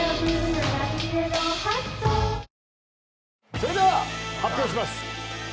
それでは発表します。